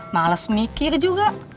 hah males mikir juga